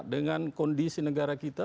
dengan kondisi negara kita